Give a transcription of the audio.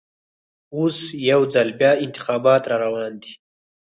اوس یوځل بیا انتخابات راروان دي.